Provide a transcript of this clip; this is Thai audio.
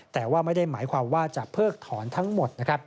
แต่ว่าไม่ได้หมายความว่าจะเพิกถอนทั้งหมดนะครับ